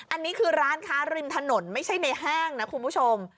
อันนี้คือร้านค้าริมถนนไม่ใช่ในห้างนะคุณผู้ชม